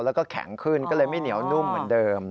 แล้วก็แข็งขึ้นก็เลยไม่เหนียวนุ่มเหมือนเดิม